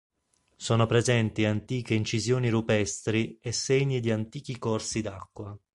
Sono presenti antiche incisioni rupestri e segni di antichi corsi d'acqua.